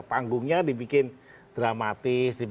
panggungnya dibikin dramatis